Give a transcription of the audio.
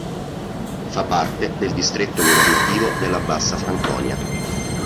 Fa parte del distretto governativo della Bassa Franconia.